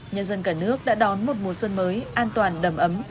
nhân dân cả nước đã đón một mùa xuân mới an toàn đầm ấm